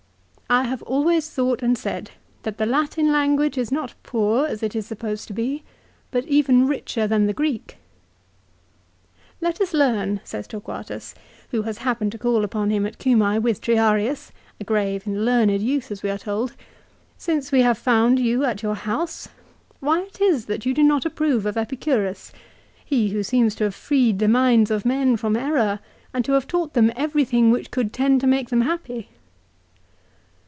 " I have always thought and said, that the Latin language is not poor as it is supposed to be, but even richer than the Greek." 1 " Let us learn," says Torquatus, who has happened to call upon him at Cumse with Triarius, a grave and learned youth as we are told, " since we have found you at your house, why it is that you do not approve of Epicurus; he who seems to have freed the minds of men from error 1 DC Fiuibus, lib. i. ca. iii. CICERO'S PHILOSOPHY. 347 and to have taught them everything which could tend to make them happy.